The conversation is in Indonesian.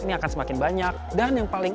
ini akan semakin banyak dan yang paling